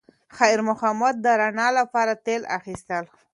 خیر محمد د رڼا لپاره تېل اخیستل.